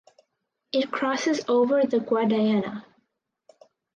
It crosses over the Guadiana.